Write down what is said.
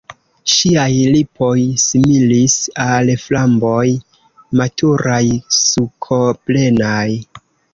Ŝiaj lipoj similis al framboj, maturaj, sukoplenaj.